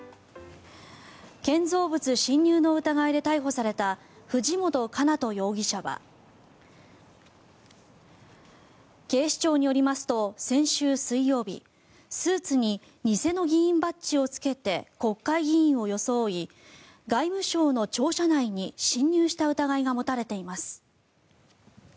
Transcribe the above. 建造物侵入の疑いで逮捕された藤本叶人容疑者は警視庁によりますと先週水曜日スーツに偽の議員バッジを着けて国会議員を装い外務省の庁舎内に侵入した疑いが持たれています。